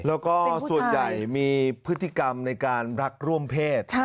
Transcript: แล้วก็ส่วนใหญ่มีพฤติกรรมในการรักร่วมเพศ